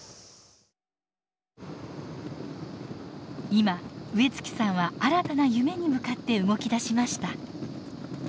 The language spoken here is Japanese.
今植月さんは新たな夢に向かって動きだしました。